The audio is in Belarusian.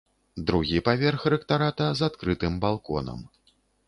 Другі паверх рэктарата з адкрытым балконам.